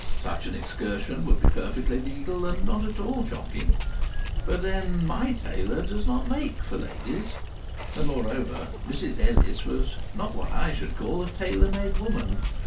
Such an excursion would be perfectly legal and not at all shocking. But then my tailor did not "make" for ladies. And moreover, Mrs Ellis was not what I should call a tailor made woman.